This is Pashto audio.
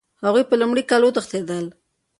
هغوی په لومړي کال کې وتښتېدل.